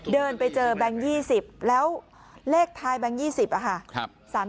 เดินไปเจอแบงค์๒๐แล้วเลขท้ายแบงค์๒๐อะค่ะ